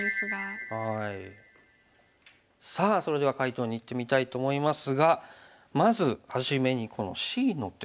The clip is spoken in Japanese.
さあそれでは解答にいってみたいと思いますがまず初めにこのＣの手。